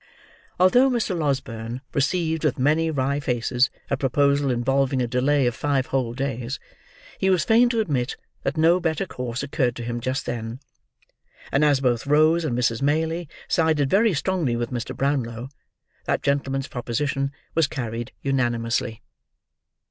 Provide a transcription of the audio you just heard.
Although Mr. Losberne received with many wry faces a proposal involving a delay of five whole days, he was fain to admit that no better course occurred to him just then; and as both Rose and Mrs. Maylie sided very strongly with Mr. Brownlow, that gentleman's proposition was carried unanimously.